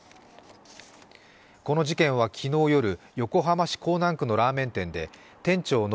この事件は昨日夜、横浜市港南区のラーメン店で店長の